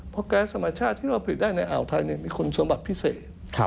เพราะแก๊สธรรมชาติที่เราผลิตได้ในอ่าวไทยมีคุณสมบัติพิเศษ